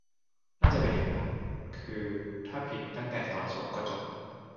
น่าจะเป็นอย่างนั้น คือถ้าผิดตั้งแต่ตอนส่งก็จบ